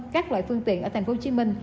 các loại phương tiện ở tp hcm